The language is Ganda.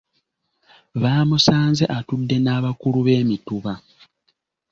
Baamusanze atudde n’abakulu b’emituba.